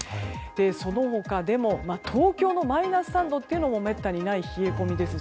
その他でも東京のマイナス３度もめったにない冷え込みですし。